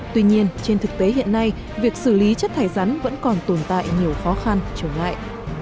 tuy nhiên trên thực tế hiện nay việc xử lý chất thải rắn vẫn còn tồn tại nhiều khó khăn trở ngại